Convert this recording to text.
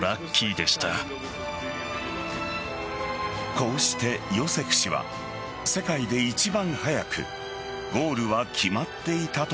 こうして、ヨセク氏は世界で一番早くゴールは決まっていたと